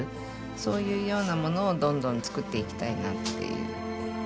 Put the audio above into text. そういうようなものをどんどん作っていきたいなっていう。